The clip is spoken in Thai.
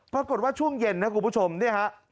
ปรากฏว่าช่วงเย็นนะครับกลุ่มผู้ชมเนี่ยฮะ